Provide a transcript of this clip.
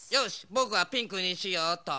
ぼくはピンクにしようっと。